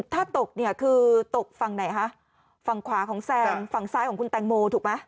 ถ้าตกเนี่ยคือตกฝั่งไหนคะฝั่งขวาของแซนฝั่งซ้ายของคุณแตงโมถูกไหม